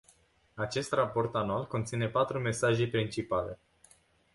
Acest raport anual conține patru mesaje principale.